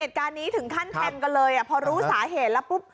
เหตุการณ์นี้ถึงขั้นแทงกันเลยอ่ะพอรู้สาเหตุแล้วปุ๊บ